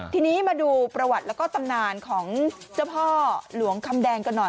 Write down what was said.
ทีนี้มาดูประวัติแล้วก็ตำนานของเจ้าพ่อหลวงคำแดงกันหน่อย